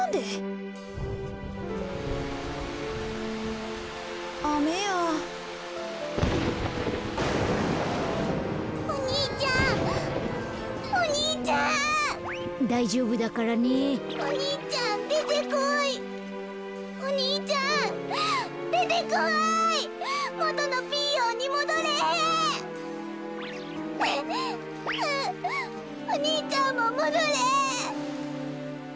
うお兄ちゃんももどれ。